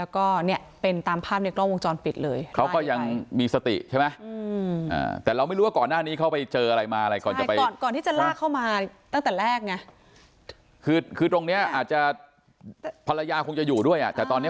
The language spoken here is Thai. ก่อนที่จะลากเข้ามาตั้งแต่แรกก็แบบนี้